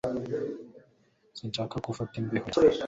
Sinshaka ko ufata imbeho yanjye